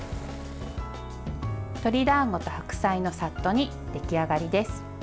鶏だんごと白菜のさっと煮出来上がりです。